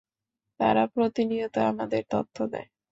তারা প্রতিনিয়ত আমাদের তথ্য দেয়।